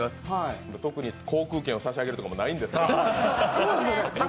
特に航空券を差し上げるとかもないんですが。